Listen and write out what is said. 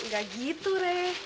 gak gitu reh